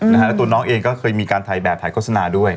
แล้วตัวน้องเองก็เคยมีการถ่ายแบบถ่ายโฆษณาด้วย